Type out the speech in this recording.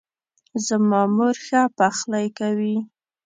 زما مور ښه پخلۍ کوي